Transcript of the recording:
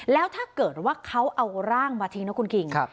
แล้วถ้าเกิดว่าเขาเอาร่างมาทิ้งนะคุณคิง